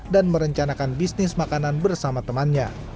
dan merencanakan bisnis makanan bersama temannya